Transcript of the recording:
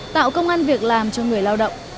tạo công an việc làm cho người lao động